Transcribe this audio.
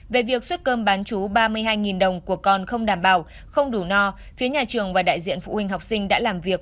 về việc xuất cơm bán chú ba mươi hai đồng của con không đảm bảo không đủ no phía nhà trường và đại diện phụ huynh học sinh đã làm việc